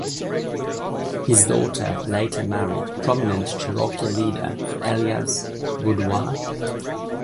His daughter later married prominent Cherokee leader Elias Boudinot.